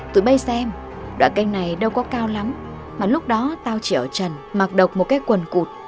từ đây xem đoạn kênh này đâu có cao lắm mà lúc đó tao chỉ ở trần mặc độc một cái quần cụt